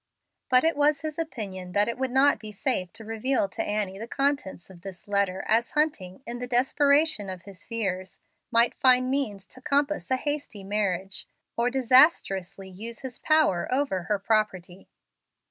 But it was his opinion that it would not be safe to reveal to Annie the contents of this letter, as Hunting, in the desperation of his fears, might find means to compass a hasty marriage, or disastrously use his power over her property.